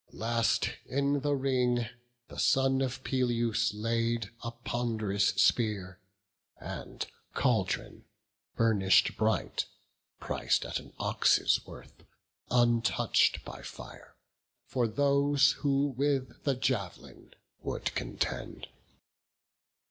Last, in the ring the son of Peleus laid A pond'rous spear, and caldron, burnish'd bright, Pric'd at an ox's worth, untouch'd by fire, For those who with the jav'lin would contend.